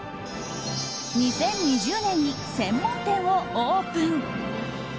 ２０２０年に専門店をオープン。